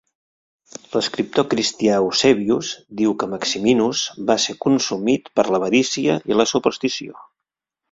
L'escriptor cristià Eusebius diu que Maximinus va ser consumit per l'avarícia i la superstició.